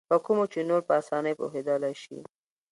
په کومو چې نور په اسانۍ پوهېدلای شي.